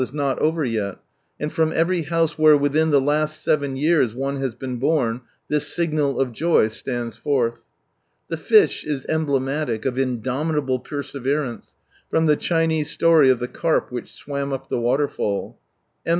is not over yet, and from every house where within the last seven years one has been born this signal of joy stands forth. The Fish is em blematic of indomitable perseverance, from the Chinese story of the carp which swam tip the waterfall. M.